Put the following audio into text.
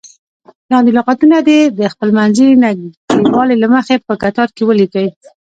لاندې لغتونه دې د خپلمنځي نږدېوالي له مخې په کتار کې ولیکئ.